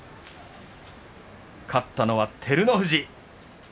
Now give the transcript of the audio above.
勝ったのは照ノ富士。